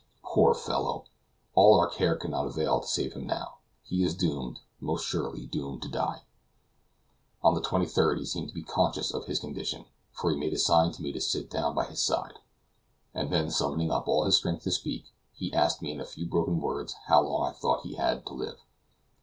Poor fellow! all our care cannot avail to save him now; he is doomed, most surely doomed to die. On the 23d he seemed to be conscious of his condition, for he made a sign to me to sit down by his side, and then summoning up all his strength to speak, he asked me in a few broken words how long I thought he had to live?